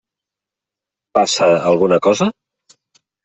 Passa alguna cosa?